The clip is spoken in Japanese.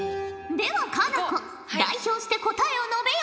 では佳菜子代表して答えを述べよ。